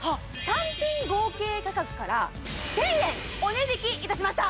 単品合計価格から１０００円お値引きいたしました